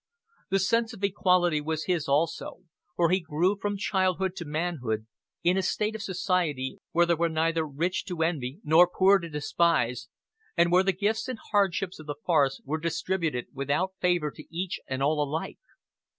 The sense of equality was his also, for he grew from childhood to manhood in a state of society where there were neither rich to envy nor poor to despise, and where the gifts and hardships of the forest were distributed without favor to each and all alike.